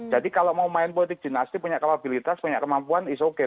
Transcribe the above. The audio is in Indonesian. jadi kalau mau main politik dinasti punya kapabilitas punya kemampuan is okay